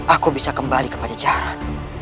aku bisa kembali ke pajajaran